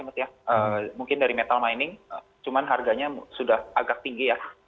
mungkin dari metal mining cuman harganya sudah agak tinggi ya